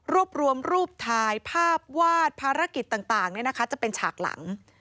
รูปรวมรูปถ่ายภาพวาดภารกิจต่างจะเป็นฉากหลัง